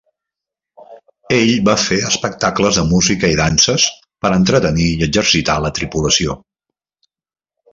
Ell va fer espectables de música i danses per entretenir i exercitar la tripulació.